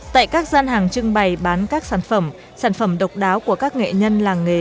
tại các gian hàng trưng bày bán các sản phẩm sản phẩm độc đáo của các nghệ nhân làng nghề